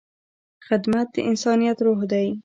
خدمت د انسانیت روح دی.